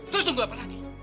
terus tunggu apa lagi